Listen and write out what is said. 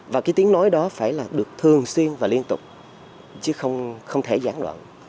và cái tiếng nói đó phải là được thường xuyên và liên tục chứ không thể gián đoạn